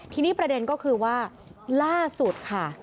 ทีนี้ประเด็นก็คือว่าล่าสุดค่ะ